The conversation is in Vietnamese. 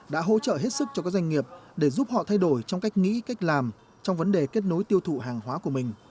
đã hỗ trợ hết sức cho các doanh nghiệp để giúp họ thay đổi trong cách nghĩ cách làm trong vấn đề kết nối tiêu thụ hàng hóa của mình